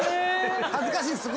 恥ずかしい。